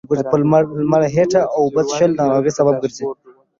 په لمړه هيټه اوبه څښل دا ناروغۍ سبب ګرځي